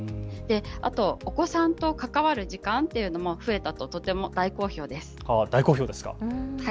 あとお子さんと関わる時間も増えたととても大好評です。